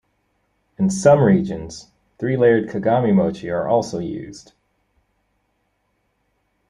In some regions, three layered kagami mochi are also used.